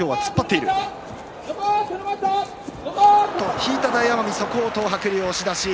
引いた大奄美そこを東白龍を押し出し。